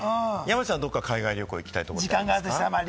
山ちゃん、どっか海外旅行に行きたいところはありますか？